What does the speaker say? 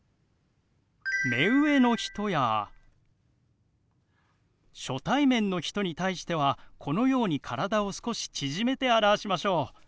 目上の人や初対面の人に対してはこのように体を少し縮めて表しましょう。